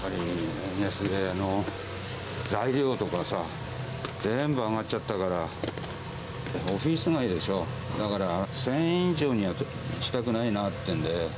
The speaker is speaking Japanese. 円安で材料とかさ、全部上がっちゃったから、でもオフィス街でしょ、だから１０００円以上にはしたくないなっていうんで。